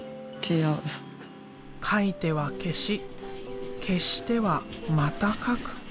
描いては消し消してはまた描く。